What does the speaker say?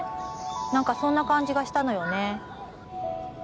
何かそんな感じがしたのよね